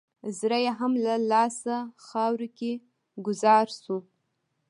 زړه یې هم له لاسه خاورو کې ګوزار شو.